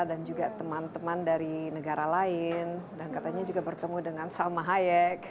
dan juga teman teman dari negara lain dan katanya juga bertemu dengan salma hayek